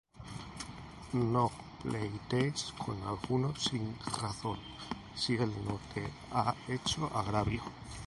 No pleitees con alguno sin razón, Si él no te ha hecho agravio.